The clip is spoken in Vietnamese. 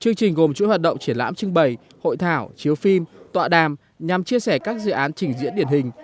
chương trình gồm chuỗi hoạt động triển lãm trưng bày hội thảo chiếu phim tọa đàm nhằm chia sẻ các dự án trình diễn điển hình